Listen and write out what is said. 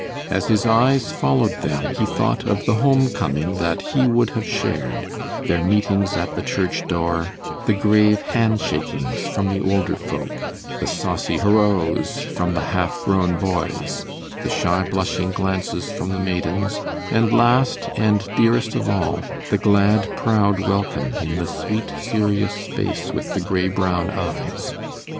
As his eyes followed them he thought of the home coming that he would have shared; their meetings at the church door, the grave handshakings from the older folk, the saucy "horos" from the half grown boys, the shy blushing glances from the maidens, and last and dearest of all, the glad, proud welcome in the sweet, serious face with the gray brown eyes.